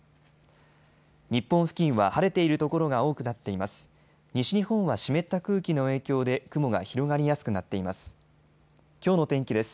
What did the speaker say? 日本付近は晴れている所が多くなっています。